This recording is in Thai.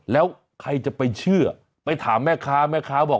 แล้วใครจะไปเชื่อไปถามแม่ค้าแม่ค้าบอก